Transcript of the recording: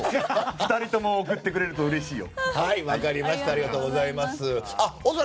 ２人とも送ってくれるとうれしいよ。